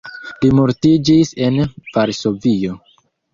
Li mortiĝis en Varsovio.